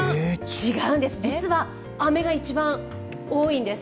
違うんです、実はあめが一番多いんです。